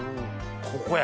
ここや。